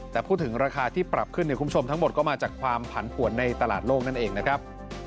แต่พูดถึงราคาที่ปรับขึ้นคุณผู้ชมทั้งหมดก็มาจากความผันผวนในตลาดโลกนั่นเองนะครับ